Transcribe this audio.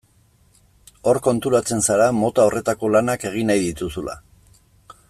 Hor konturatzen zara mota horretako lanak egin nahi dituzula.